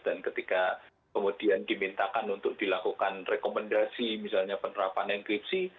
dan ketika kemudian dimintakan untuk dilakukan rekomendasi misalnya penerapan enkripsi